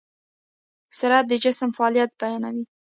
سرعت د جسم فعالیت بیانوي.